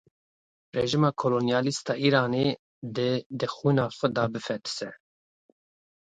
Rejima kolonyalîst a Îranê dê di xwîna xwe de bifetise!